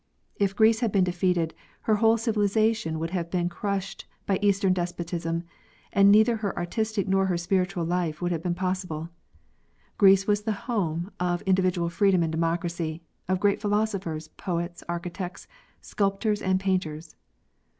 If Greece had been defeated, her whole civilization would have been crushed by eastern despotism and neither her artistic nor her spiritual life would have been possible. Greece was the home of individ ual freedom and democracy, of great philosophers, poets, archi tects, sculptors, and painters.